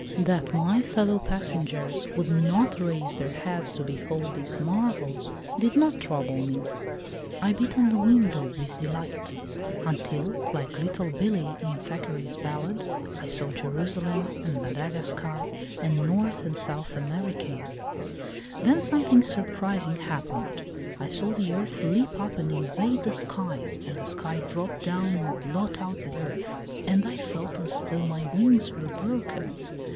That my fellow passengers would not raise their heads to behold 12 THE DAY BEFORE YESTERDAY these marvels did not trouble me ; I beat on the window with delight, until, like little Billee in Thackeray's ballad, I saw Jerusalem and Madagascar and North and South Amerikee. Then something surprising happened. I saw the earth leap up and invade the sky and the sky drop down and blot out the earth, and I felt as though my wings were broken.